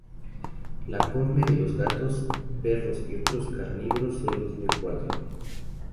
La córnea de los gatos, perros y otros carnívoros solo tienen cuatro.